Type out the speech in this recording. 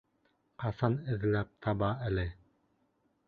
Ҡасан эҙләп таба әле?